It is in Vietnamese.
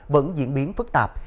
vẫn diễn biến phức tạp